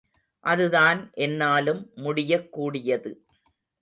அதுதான் என்னாலும் முடியக் கூடியது.